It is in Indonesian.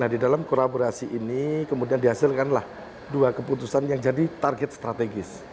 nah di dalam kolaborasi ini kemudian dihasilkanlah dua keputusan yang jadi target strategis